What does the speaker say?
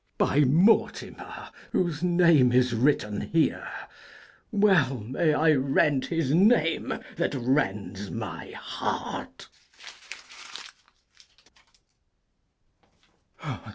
_] By Mortimer, whose name is written here! Well may I rent his name that rends my heart. [_Tears it.